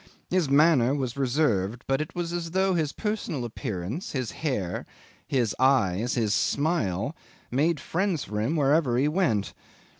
His manner was reserved, but it was as though his personal appearance, his hair, his eyes, his smile, made friends for him wherever he went.